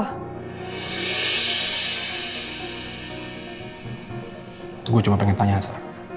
itu gue cuma pengen tanya aja